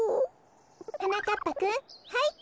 はなかっぱくんはい！